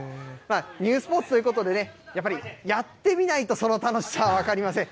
ニュースポーツということで、やっぱり、やってみないと、その楽しさは分かりません。